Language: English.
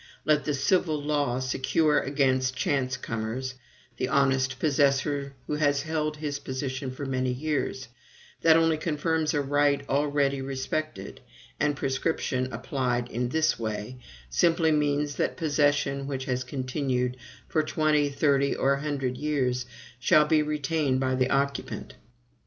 Let the civil law secure against chance comers the honest possessor who has held his position for many years, that only confirms a right already respected; and prescription, applied in this way, simply means that possession which has continued for twenty, thirty, or a hundred years shall be retained by the occupant.